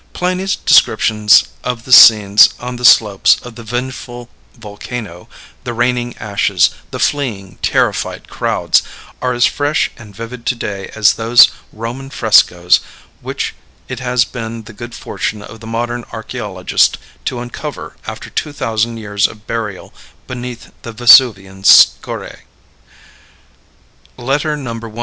Pliny's descriptions of the scenes on the slopes of the vengeful volcano the raining ashes; the fleeing, terrified crowds are as fresh and vivid to day as those Roman frescoes which it has been the good fortune of the modern archeologist to uncover after two thousand years of burial beneath the Vesuvian scoriæ. Letter No. 1.